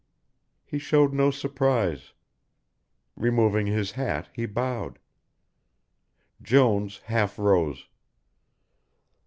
He showed no surprise. Removing his hat he bowed. Jones half rose.